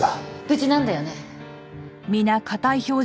無事なんだよね？